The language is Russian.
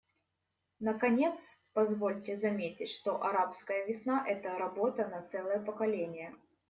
Наконец, позвольте заметить, что «арабская весна» — это работа на целое поколение.